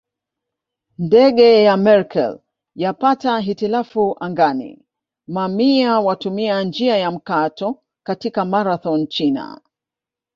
Ndege ya Merkel yapata hitilafu angani Mamia watumia njia ya mkato katika Marathon China